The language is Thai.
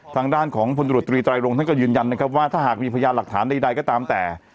ทางด้านของพลตรวจตรีไตรรงท่านก็ยืนยันนะครับว่าถ้าหากมีพยานหลักฐานใดก็ตามแต่